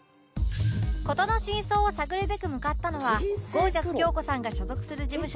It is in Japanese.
事の真相を探るべく向かったのはゴージャス京子さんが所属する事務所ジンセイプロ